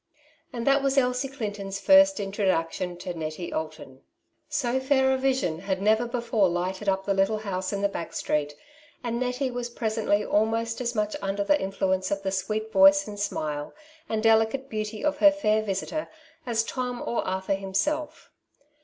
And that was Elsie Clinton's first introduction to Nettie Alton. So fair a vision had never before lighted up the little house in the back street, and Nettie was presently almost as much under the influence of the sweet voice and smile and delicate beauty of her fair visitor as Tom or Arthur him self.